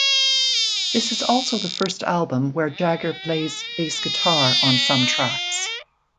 This is also the first album where Jagger plays bass guitar on some tracks.